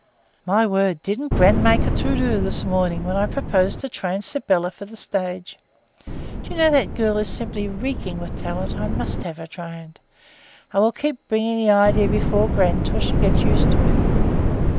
"My word, didn't gran make a to do this morning when I proposed to train Sybylla for the stage! Do you know that girl is simply reeking with talent; I must have her trained. I will keep bringing the idea before gran until she gets used to it.